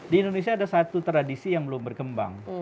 di indonesia ada satu tradisi yang belum berkembang